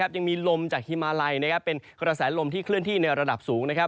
ยังมีลมจากฮิมาลัยเป็นกระแสลมที่เคลื่อนที่ในระดับสูง